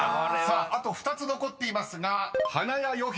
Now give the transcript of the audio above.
［あと２つ残っていますが「華屋よへい」